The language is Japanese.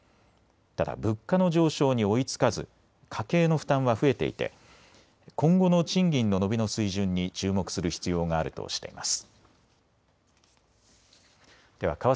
ただ物価の上昇に追いつかず家計の負担は増えていて今後の賃金の伸びの水準に注目する必要があるとしています。